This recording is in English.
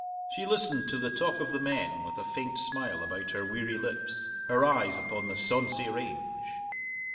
She listened to the talk of the men with a faint smile about her weary lips, her eyes upon the sonsy range.